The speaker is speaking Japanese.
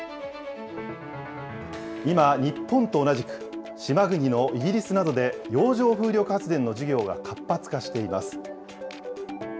今、日本と同じく、島国のイギリスなどで洋上風力発電の事業が活発化しています。